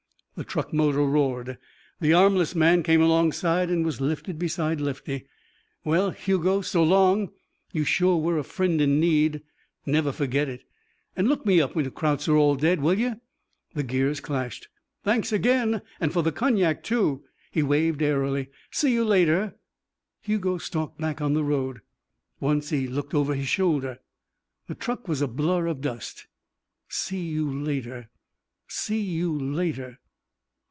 The truck motor roared. The armless man came alongside and was lifted beside Lefty. "Well, Hugo, so long. You sure were a friend in need. Never forget it. And look me up when the Krauts are all dead, will you?" The gears clashed. "Thanks again and for the cognac, too." He waved airily. "See you later." Hugo stalked back on the road. Once he looked over his shoulder. The truck was a blur of dust. "See you later. See you later.